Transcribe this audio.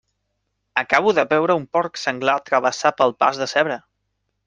Acabo de veure un porc senglar travessar pel pas de zebra.